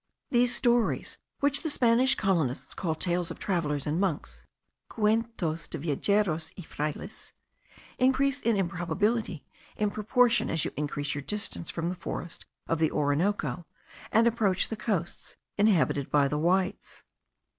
These stories, which the Spanish colonists call tales of travellers and of monks (cuentos de viageros y frailes), increase in improbability in proportion as you increase your distance from the forests of the Orinoco, and approach the coasts inhabited by the whites.